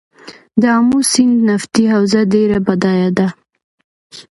د امو سیند نفتي حوزه ډیره بډایه ده.